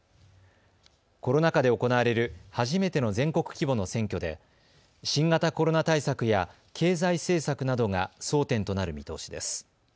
コロナ禍で行われる初めての全国規模の選挙で新型コロナ対策や経済政策などが争点となる見通しです。